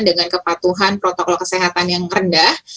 dengan kepatuhan protokol kesehatan yang rendah